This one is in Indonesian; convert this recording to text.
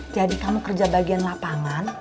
jadi kamu kerja bagian lapangan